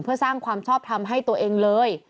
เพื่อสร้างความชอบทำให้ตัวเองเลย